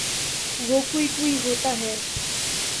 وہ کوئی کوئی ہوتا ہے۔